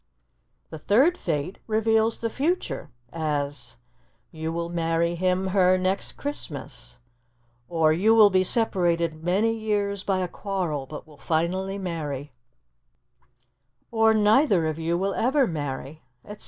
The third Fate reveals the future; as, "You will marry him (her) next Christmas," or, "You will be separated many years by a quarrel, but will finally marry," or, "Neither of you will ever marry," etc.